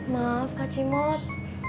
maaf kak cimot